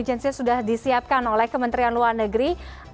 oke antisipasi artinya konfidensinya sudah disiapkan oleh kementerian luar negeri